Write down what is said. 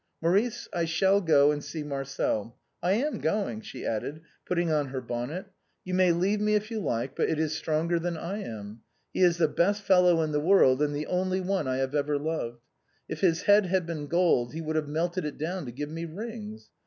" Maurice, I shall go and see Marcel. I am going," she added, putting on her bonnet. " You may leave me if you like, but it is stronger than I am; he is the best fellow in the world and tlie only one I have ever loved. If his head had been gold he would have melted it down to give me rings.